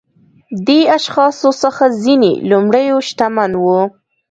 دې اشخاصو څخه ځینې لومړيو شتمن وو.